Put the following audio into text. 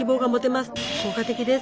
効果的です！